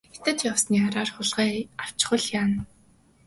Хятад явсны араар хулгай авчихвал яана.